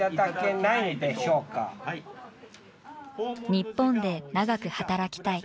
日本で長く働きたい。